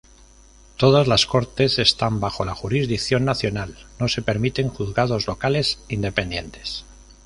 Todas las cortes están bajo la jurisdicción nacional, no se permiten juzgados locales independientes.